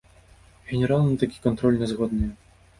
Генералы на такі кантроль не згодныя.